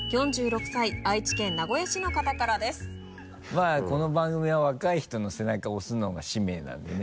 まぁこの番組は若い人の背中を押すのが使命なんでね。